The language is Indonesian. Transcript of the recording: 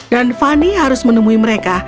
dan fanny harus menemui mereka